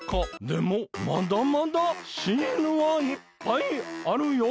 でもまだまだシールはいっぱいあるよ。